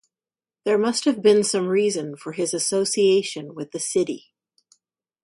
There must have been some reason for his association with the city.